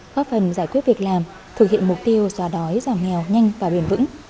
góp phần giải quyết việc làm thực hiện mục tiêu xóa đói giảm nghèo nhanh và bền vững